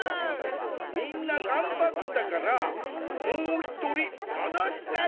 みんながんばったからもうひとりもどしたろ！